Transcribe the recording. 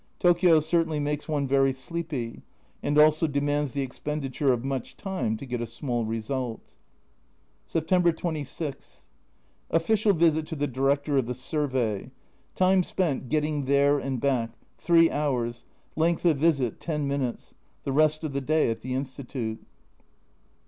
Tokio certainly makes one very sleepy, and also demands the expenditure of much time to get a small result. September 26. Official visit to the Director of the Survey time spent getting there and back, three hours length of visit, ten minutes. The rest of the day at the Institute.